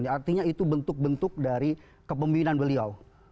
artinya itu bentuk bentuk dari kepemimpinan beliau